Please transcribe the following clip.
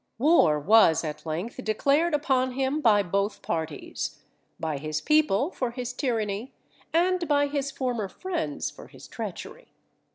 War was at length declared upon him by both parties; by his people for his tyranny, and by his former friends for his treachery.